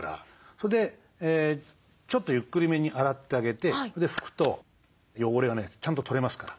それでちょっとゆっくりめに洗ってあげて拭くと汚れがねちゃんと取れますから。